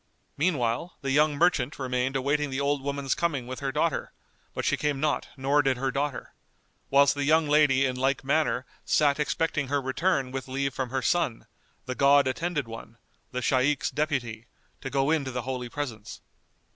Meanwhile, the young merchant remained awaiting the old woman's coming with her daughter, but she came not nor did her daughter; whilst the young lady in like manner sat expecting her return with leave from her son, the God attended one, the Shaykh's deputy, to go in to the holy presence.